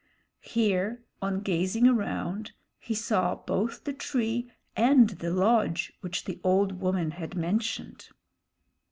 Here, on gazing around, he saw both the tree and the lodge which the old woman had mentioned.